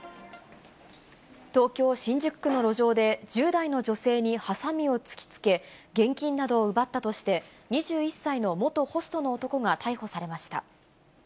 東京・新宿区の路上で、１０代の女性にはさみを突きつけ、現金などを奪ったとして、２１歳の元ホストの男が逮捕されました。